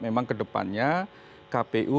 memang ke depannya kpu